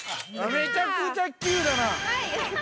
めちゃくちゃＱだな！